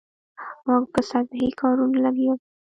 موږ په سطحي کارونو لګیا یو.